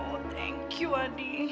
oh thank you adi